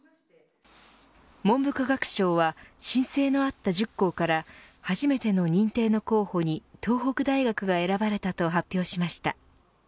文部科学省は申請のあった１０校から初めての認定の候補に東北大学が選ばれたと発表しました。